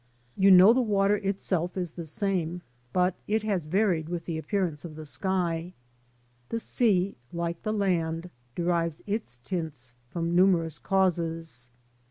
You know the water itself is the same, but it has varied with the appearance of the sky. The sea, like the land, derives its tints from numerous causes.